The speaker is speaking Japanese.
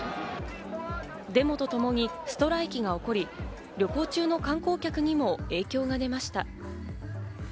デモとともにストライキが起こり、旅行中の観光客にも影響が及びました。